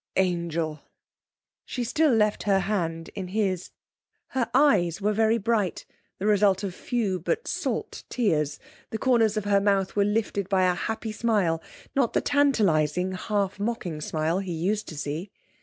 'Angel!' She still left her hand in his. Her eyes were very bright, the result of few but salt tears, the corners of her mouth were lifted by a happy smile, not the tantalising, half mocking smile he used to see.